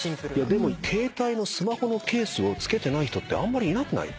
でもスマホのケースを付けてない人ってあんまりいなくない？